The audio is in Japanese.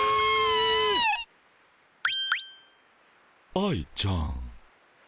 愛ちゃん。